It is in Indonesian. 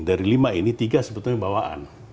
dari lima ini tiga sebetulnya bawaan